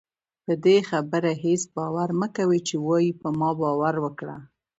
پدې خبره هېڅ باور مکوئ چې وايي په ما باور وکړه